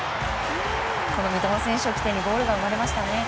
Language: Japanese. この三笘選手を起点にゴールが生まれましたね。